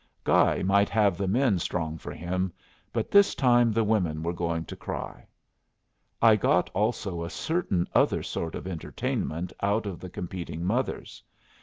Guy might have the men strong for him, but this time the women were going to cry. I got also a certain other sort of entertainment out of the competing mothers.